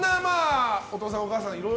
お父さんお母さん。